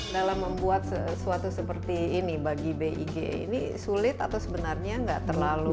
dalam membuat sesuatu seperti ini bagi big ini sulit atau sebenarnya nggak terlalu